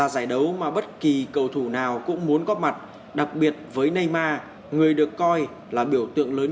xin chào và hẹn gặp lại